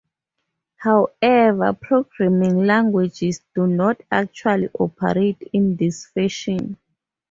However, programming languages do not actually operate in this fashion.